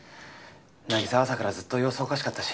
凪沙朝からずっと様子おかしかったし。